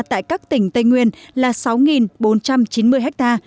tại các tỉnh tây nguyên là sáu bốn trăm chín mươi ha